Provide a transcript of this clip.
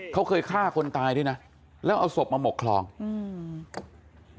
เขาเคยฆ่าคนตายด้วยนะแล้วเอาศพมาหมกคลองอืม